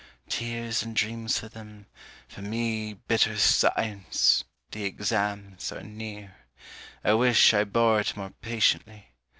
(_Tears and dreams for them; for me Bitter science the exams. are near. I wish I bore it more patiently.